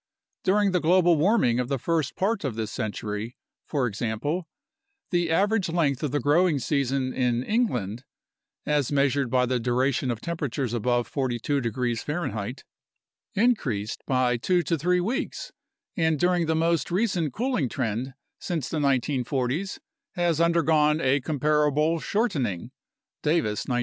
During the global warming of the first part of this century, for example, the average length of the growing season in England (as measured by the duration of temperatures above 42 °F) increased by A NATIONAL CLIMATIC RESEARCH PROGRAM 93 two to three weeks and during the more recent cooling trend since the 1940's has undergone a comparable shortening (Davis, 1972).